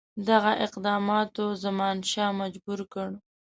دغه اقداماتو زمانشاه مجبور کړ.